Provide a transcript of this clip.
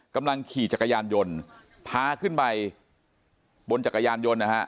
กำลังขี่จักรยานยนต์พาขึ้นไปบนจักรยานยนต์นะฮะ